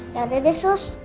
yauda deh sis